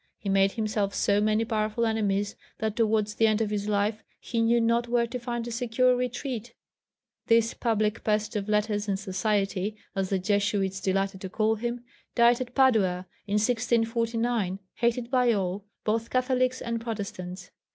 He made himself so many powerful enemies that towards the end of his life he knew not where to find a secure retreat. This "public pest of letters and society," as the Jesuits delighted to call him, died at Padua in 1649 hated by all, both Catholics and Protestants.